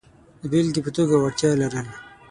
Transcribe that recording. د بېلګې په توګه وړتیا لرل.